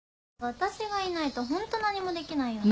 私がいないとホント何もできないよね。